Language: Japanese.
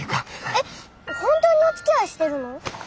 えっ本当におつきあいしてるの？